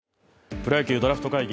「プロ野球ドラフト会議」